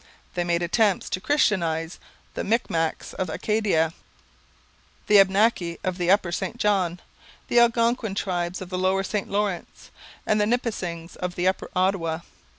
They made attempts to christianize the Micmacs of Acadia, the Abnaki of the upper St John, the Algonquin tribes of the lower St Lawrence, and the Nipissings of the upper Ottawa.